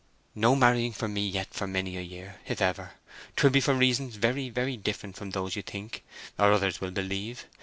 "No marrying for me yet for many a year; if ever, 'twill be for reasons very, very different from those you think, or others will believe!